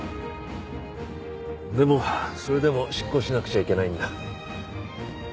でもそれでも執行しなくちゃいけないんだ。